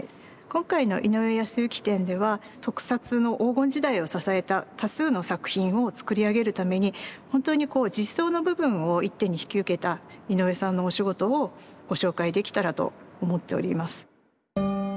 今回の井上泰幸展では特撮の黄金時代を支えた多数の作品を作り上げるために本当にこう実装の部分を一手に引き受けた井上さんのお仕事をご紹介できたらと思っております。